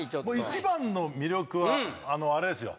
一番の魅力はあれですよ。